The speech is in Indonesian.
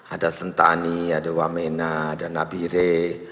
ada sentani ada wamena ada nabire